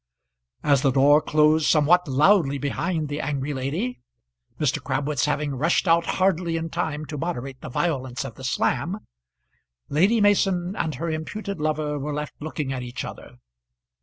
As the door closed somewhat loudly behind the angry lady Mr. Crabwitz having rushed out hardly in time to moderate the violence of the slam Lady Mason and her imputed lover were left looking at each other.